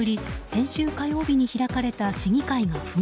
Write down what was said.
先週火曜日に開かれた市議会が紛糾。